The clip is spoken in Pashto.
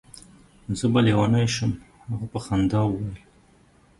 زه به لېونی شم. هغه په خندا وویل.